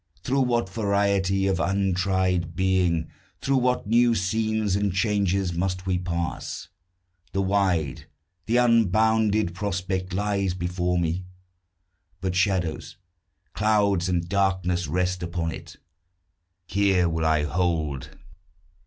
Through what variety of untried being, Through what new scenes and changes, must we pass! The wide, the unbounded prospect lies before me; But shadows, clouds, and darkness rest upon it. Here will I hold.